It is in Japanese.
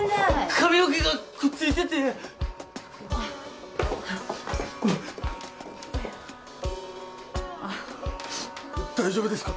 髪の毛がくっついてて大丈夫ですか？